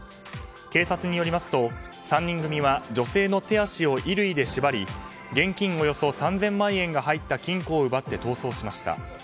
警察によりますと、３人組は女性の手足を衣類で縛り現金およそ３０００万円が入った金庫を奪って逃走しました。